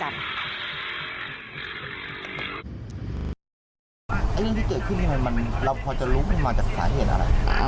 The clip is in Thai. เรื่องที่เกิดขึ้นเราพอจะรู้มันมาจากสาเหตุอะไร